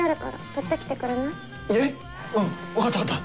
うん分かった分かった！